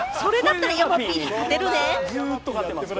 それだったら山Ｐに勝てるね。